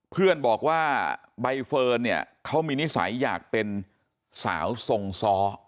เพื่อนบอกว่าใบเฟิร์นเนี่ยเขามีนิสัยอยากเป็นสาวทรงซ้อ